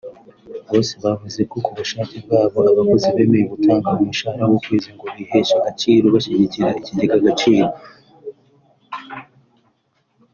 bose bavuze ko kubushake bwabo abakozi bemeye gutanga umushahara w’Ukwezi ngo biheshe agaciro bashyigikira Ikigega Agaciro